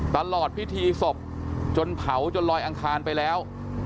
ตลอดพิธีศพจนเผาจนลอยอังคารไปแล้ว